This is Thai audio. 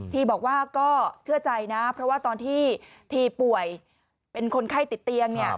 บอกว่าก็เชื่อใจนะเพราะว่าตอนที่ทีป่วยเป็นคนไข้ติดเตียงเนี่ย